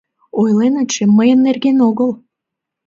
— Ойленытше мыйын нерген огыл!